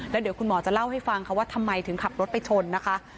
แล้วเดี๋ยวคุณหมอจะเล่าให้ฟังค่ะว่าทำไมถึงขับรถไปชนนะคะ